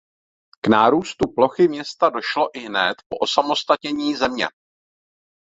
K nárůstu plochy města došlo ihned po osamostatnění země.